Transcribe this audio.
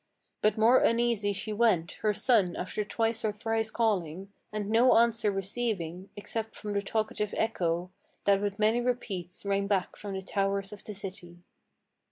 But more uneasy she went, her son after twice or thrice calling, And no answer receiving, except from the talkative echo, That with many repeats rang back from the towers of the city.